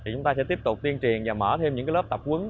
chúng ta sẽ tiếp tục tiên truyền và mở thêm những lớp tập quấn